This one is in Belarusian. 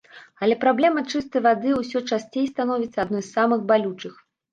Але праблема чыстай вады ўсё часцей становіцца адной з самых балючых.